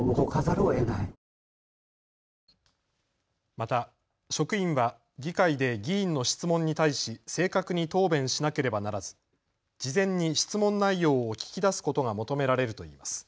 また職員は議会で議員の質問に対し正確に答弁しなければならず事前に質問内容を聞き出すことが求められるといいます。